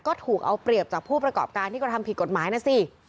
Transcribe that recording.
ก็ถูกเอาเปรียบจากผู้ประกอบการที่กระทำผิดกฎหมายนะสิ